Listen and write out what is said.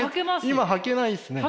今はけないですね。